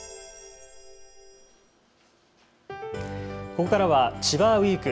ここからは千葉ウイーク。